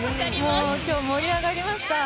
今日、盛り上がりました。